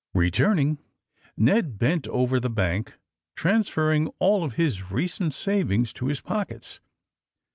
Eeturning, Ned bent over the bank, transfer ring all of his recent savings to his pockets.